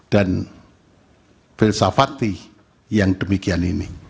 dan filsafati yang demikian ini